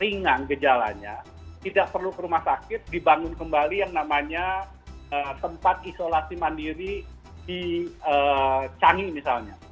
ringan gejalanya tidak perlu ke rumah sakit dibangun kembali yang namanya tempat isolasi mandiri di cangi misalnya